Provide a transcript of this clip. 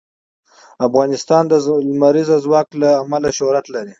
افغانستان د لمریز ځواک له امله شهرت لري.